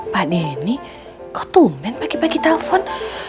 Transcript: pak deni kau tumen pagi pagi telepon